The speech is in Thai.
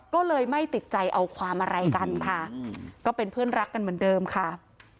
ก็เลยไม่ติดใจเอาความอะไรกันค่ะก็เป็นเพื่อนรักกันเหมือนเดิมค่ะ